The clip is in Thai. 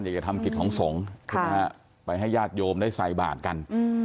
อยากจะทำกิจของสงฆ์ไปให้ญาติโยมได้ใส่บาทกัน